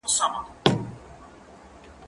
سبزیجات تيار کړه!.